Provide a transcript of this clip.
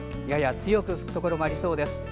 やや強く吹くところもありそうです。